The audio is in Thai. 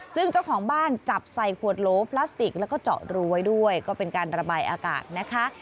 ซึ่งเจ้าของบ้านจับใส่ขวดโหลพลาสติกแล้วก็เจาะรูไว้ด้วยก็เป็นการระบายอากาศนะคะ